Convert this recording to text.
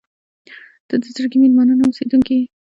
• ته د زړګي مېلمانه نه، اوسېدونکې یې.